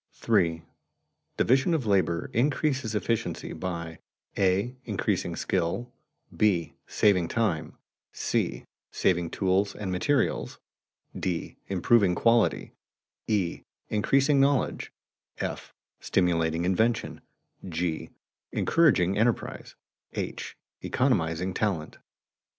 [Sidenote: Advantages of division of labor] 3. _Division of labor increases efficiency by: (a) increasing skill; (b) saving time; (c) saving tools and materials; (d) improving quality; (e) increasing knowledge; (f) stimulating invention; (g) encouraging enterprise; (h) economizing talent.